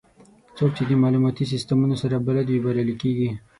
څوک چې د معلوماتي سیستمونو سره بلد وي، بریالي کېږي.